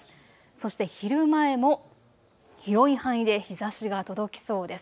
そして昼前も広い範囲で日ざしが届きそうです。